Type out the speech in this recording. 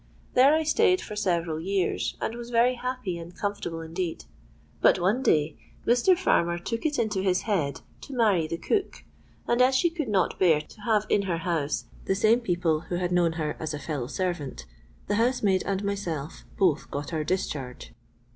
There I stayed for several years, and was very happy and comfortable indeed. But one day Mr. Farmer took it into his head to marry the cook; and as she could not bear to have in her house the same people who had known her as a fellow servant, the housemaid and myself both got our discharge.